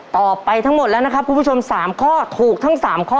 ไปทั้งหมดแล้วนะครับคุณผู้ชม๓ข้อถูกทั้ง๓ข้อ